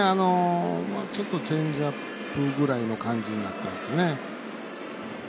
ちょっとチェンジアップぐらいの感じになったんですね。